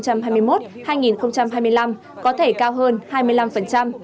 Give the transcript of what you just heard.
có thể kết nối với tổng số tiền tệ